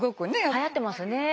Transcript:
はやってますね。